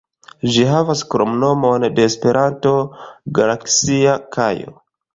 Ĝi havas kromnomon de Esperanto, "Galaksia Kajo".